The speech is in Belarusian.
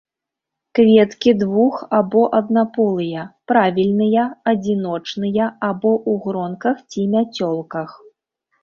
Кветкі двух- або аднаполыя, правільныя, адзіночныя або ў гронках ці мяцёлках.